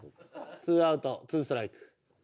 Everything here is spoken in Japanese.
ツーアウトツーストライク。